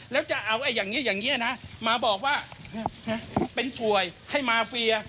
แล้วจะเอาอย่างนี้อย่างนี้นะมาบอกว่าเป็นสวยให้มาเฟีย